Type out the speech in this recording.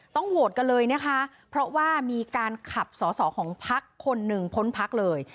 โหวตกันเลยนะคะเพราะว่ามีการขับสอสอของพักคนหนึ่งพ้นพักเลย